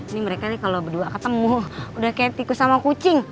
ini mereka nih kalau berdua ketemu udah kayak tikus sama kucing